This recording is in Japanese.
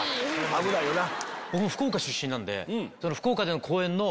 危ないよな。